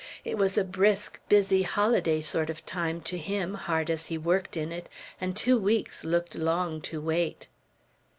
It was a brisk, busy, holiday sort of time to him, hard as he worked in it; and two weeks looked long to wait.